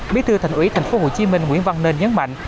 bí thư thành ủy tp hcm nguyễn văn nên nhấn mạnh